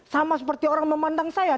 sama seperti orang memandang saya